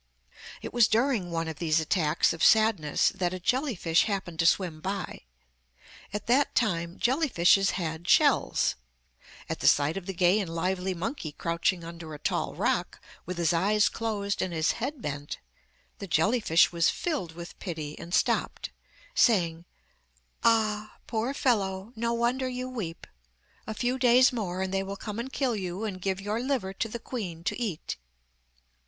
It was during one of these attacks of sadness that a jelly fish happened to swim by. At that time jelly fishes had shells. At the sight of the gay and lively monkey crouching under a tall rock, with his eyes closed and his head bent, the jelly fish was filled with pity, and stopped, saying, 'Ah, poor fellow, no wonder you weep; a few days more, and they will come and kill you and give your liver to the queen to eat.